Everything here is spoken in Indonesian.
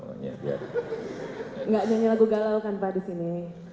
nggak nyanyi lagu galau kan pak di sini